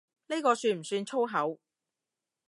呢個算唔算粗口？